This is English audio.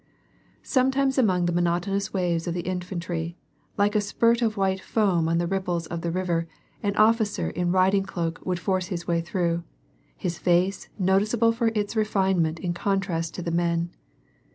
Sometimes among the monotonous waves of the infantry, like a spurt of white foam on the ripples of the river, an officer in riding cloak would force his waj'' through, his face notice able for its refinement in contrast to the men.